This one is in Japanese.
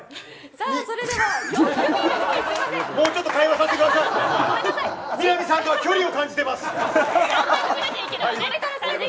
もうちょっと会話させてください。